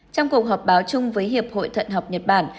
trong cuộc họp báo chung với hiệp hội thận học nhật bản